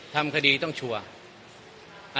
ทำคดีต้องชัวร์